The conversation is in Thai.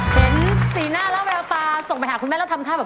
เห็นสีหน้าแล้วแววตาส่งไปหาคุณแม่แล้วทำท่าแบบ